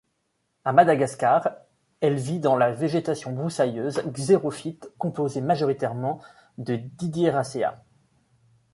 À Madagascar, elle vit dans la végétation broussailleuse xérophyte composée majoritairement de Didiereaceae.